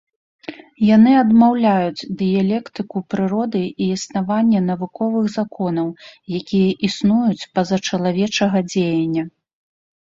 Яны адмаўляюць дыялектыку прыроды і існаванне навуковых законаў, якія існуюць па-за чалавечага дзеяння.